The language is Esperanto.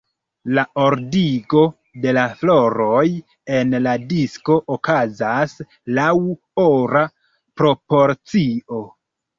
La ordigo de la floroj en la disko okazas laŭ ora proporcio.